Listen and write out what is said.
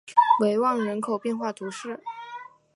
维旺人口变化图示